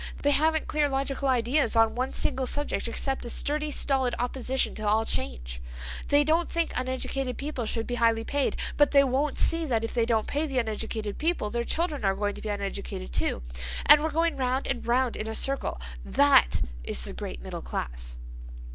They haven't clear logical ideas on one single subject except a sturdy, stolid opposition to all change. They don't think uneducated people should be highly paid, but they won't see that if they don't pay the uneducated people their children are going to be uneducated too, and we're going round and round in a circle. That—is the great middle class!"